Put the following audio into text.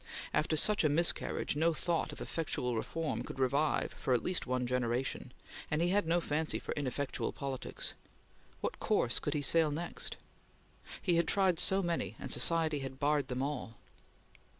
After such a miscarriage, no thought of effectual reform could revive for at least one generation, and he had no fancy for ineffectual politics. What course could he sail next? He had tried so many, and society had barred them all!